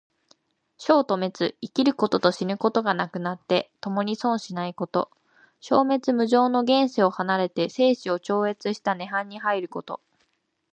生と滅、生きることと死ぬことがなくなって、ともに存しないこと。生滅無常の現世を離れて生死を超越した涅槃に入ること。